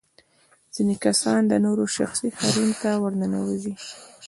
ځينې کسان د نورو شخصي حريم ته ورننوزي.